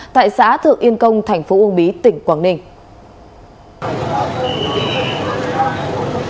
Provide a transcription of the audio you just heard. tại xã thượng yên công thành phố uông bí tỉnh quảng ninh